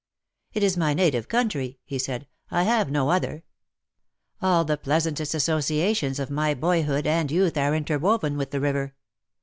"'It is my native country/^ he said ;" I have no other. All the pleasantest associations of my boy hood and youth are interwoven with the river.